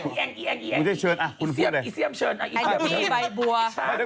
อันเดียวไปดูก่อนนะ